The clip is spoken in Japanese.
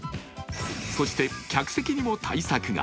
そして客席にも対策が。